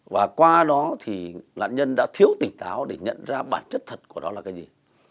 và qua đó thì nạn nhân đã thiếu tỉnh táo để nhận ra bản chất thật của đó là cái gì